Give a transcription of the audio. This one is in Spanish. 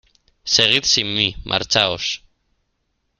Seguid sin mí. Marchaos .